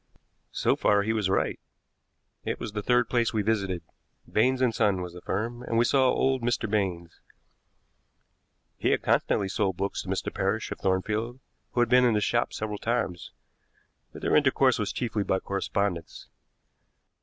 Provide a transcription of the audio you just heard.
So far he was right. It was the third place we visited. Baines and Son was the firm, and we saw old Mr. Baines. He had constantly sold books to Mr. Parrish, of Thornfield, who had been to his shop several times, but their intercourse was chiefly by correspondence.